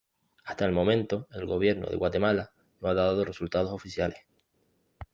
Hasta el momento el Gobierno de Guatemala no ha dado resultados oficiales.